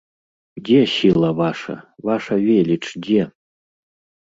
Дзе сіла ваша, ваша веліч дзе?